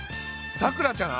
さくらちゃん